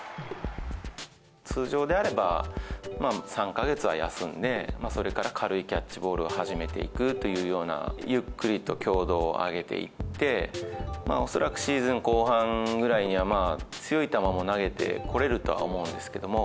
通常であれば、３か月は休んで、それから軽いキャッチボールを始めていくというような、ゆっくりと強度を上げていって、恐らくシーズン後半ぐらいには、まあ強い球も投げてこれるとは思うんですけれども。